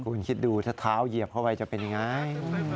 คุณคิดดูถ้าเท้าเหยียบเข้าไปจะเป็นยังไง